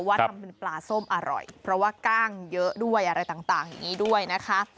ทำเป็นปลาส้มอร่อยเพราะว่ากล้างเยอะด้วยอะไรต่างอย่างนี้ด้วยนะคะ